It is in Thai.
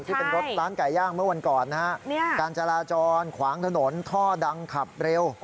ที่เป็นรถร้านไก่ย่างเมื่อวันก่อนนะฮะการจราจรขวางถนนท่อดังขับเร็ว